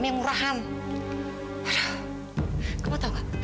aduh kamu tau gak